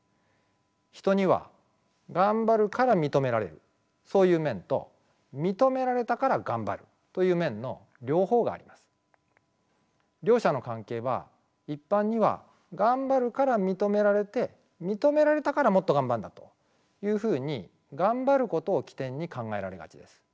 人にはがんばるから認められるそういう面と認められたからがんばるという面の両方があります。両者の関係は一般には「がんばるから認められて認められたからもっとがんばるんだ」というふうにがんばることを起点に考えられがちです。